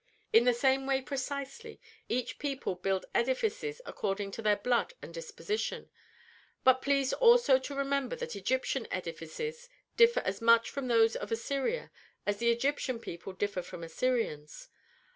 In the same way precisely each people build edifices according to their blood and disposition. Be pleased also to remember that Egyptian edifices differ as much from those of Assyria as the Egyptian people differ from Assyrians.